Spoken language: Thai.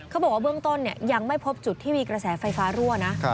เขาบอกว่าเบื้องต้นยังไม่พบจุดที่มีกระแสไฟฟ้ารั่วนะ